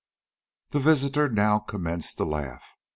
The visitor now commenced to laugh.